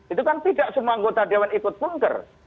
itu kan tidak semua anggota dewan ikut punker